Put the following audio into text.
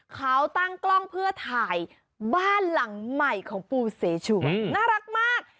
เขาตั้งกล้องเพื่อถ่ายบ้านหลังใหม่ของปูเสฉวยน่ารักมาก